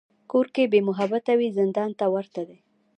کور که بېمحبته وي، زندان ته ورته وي.